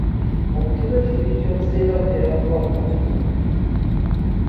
Obuti bw’ekibiriiti obusinga butera kuba bumpi nnyo.